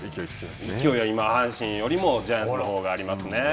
勢いは、今阪神よりもジャイアンツのほうがありますね。